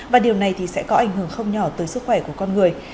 và điều này thì sẽ có ảnh hưởng không nhỏ tới sức khỏe của con người